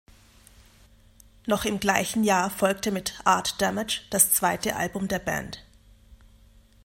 Noch im gleichen Jahr folgte mit "Art Damage" das zweite Album der Band.